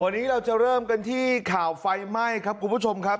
วันนี้เราจะเริ่มกันที่ข่าวไฟไหม้ครับคุณผู้ชมครับ